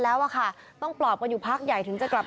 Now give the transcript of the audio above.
แล้วคนร้ายก็ทำพฤติกรรม